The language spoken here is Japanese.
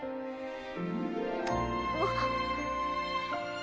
あっ。